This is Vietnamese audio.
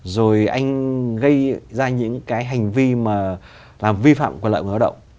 rồi anh gây ra những cái hành vi mà vi phạm quyền lợi của người lao động